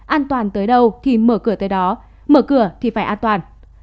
an toàn tới đâu thì mở cửa tới đó mở cửa thì phải an toàn